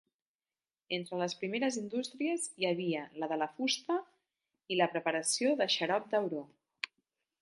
Entre les primeres industries hi havia la de la fusta i la preparació de xarop d"auró.